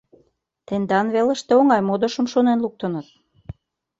— Тендан велыште оҥай модышым шонен луктыныт.